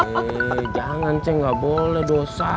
heee jangan ceng gak boleh dosa